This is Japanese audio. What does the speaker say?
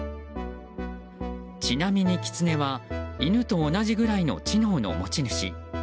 ちなみにキツネは犬と同じぐらいの知能の持ち主。